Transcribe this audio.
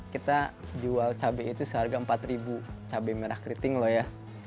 kita jual cabai itu seharga empat cabai merah keriting loh ya